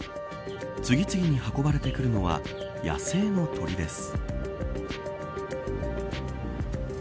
次々に運ばれてくるのは野生の鳥です。